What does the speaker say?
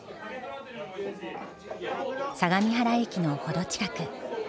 相模原駅の程近く。